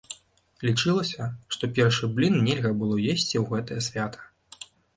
Лічылася, што першы блін нельга было есці ў гэтае свята.